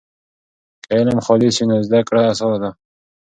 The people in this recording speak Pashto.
که علم خالص وي نو زده کړه اسانه ده.